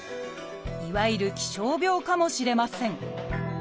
いわゆる「気象病」かもしれません。